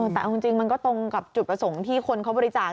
แต่เอาจริงมันก็ตรงกับจุดประสงค์ที่คนเขาบริจาค